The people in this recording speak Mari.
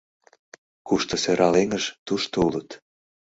Кушто сӧрал эҥыж, тушто улыт.